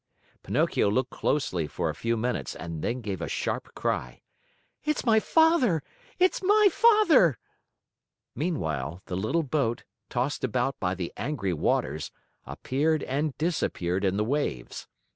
Pinocchio looked closely for a few minutes and then gave a sharp cry: "It's my father! It's my father!" Meanwhile, the little boat, tossed about by the angry waters, appeared and disappeared in the waves.